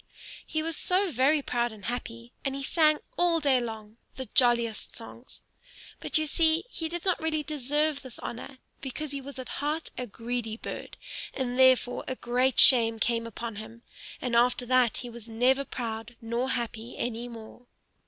He was very proud and happy, and he sang all day long, the jolliest songs. But you see he did not really deserve this honor, because he was at heart a greedy bird; and therefore a great shame came upon him, and after that he was never proud nor happy any more.